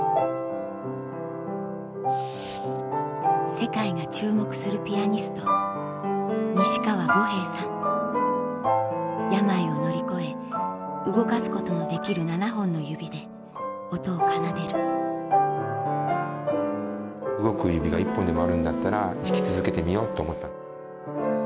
世界が注目する病を乗り越え動かすことのできる７本の指で音を奏でる動く指が１本でもあるんだったら弾き続けてみようって思った。